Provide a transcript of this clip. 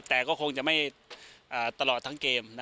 แต่ก็คงจะไม่ตลอดทั้งเกม